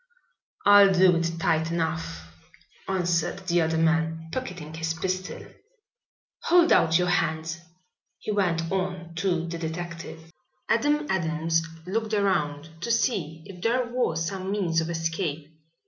"I'll do it tight enough," answered the other man, pocketing his pistol. "Hold out your hands," he went on to the detective. Adam Adams looked around to see if there was some means of escape.